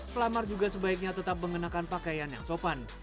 pelamar juga sebaiknya tetap mengenakan pakaian yang sopan